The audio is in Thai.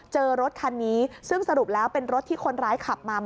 รถคันนี้ซึ่งสรุปแล้วเป็นรถที่คนร้ายขับมา